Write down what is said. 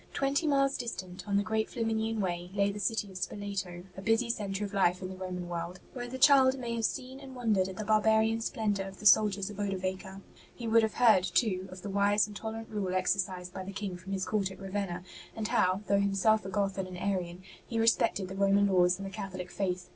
Twenty miles distant, on the great Flaminian Way, lay the city of Spoleto, a busy centre of life in the Roman world, where the child may have seen and wondered at the barbarian splendour of the soldiers of Odovaker. He would have heard, too, of the wise and tolerant rule exercised by the King from his court at Ravenna, and how, though himself a Goth and an Arian, he respected the Roman laws and the Catholic faith.